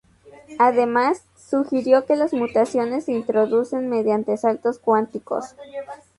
Además, sugirió que las mutaciones se introducen mediante "saltos cuánticos".